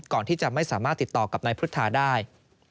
ก่อนที่จะไม่สามารถติดต่อกับนายพุทธาได้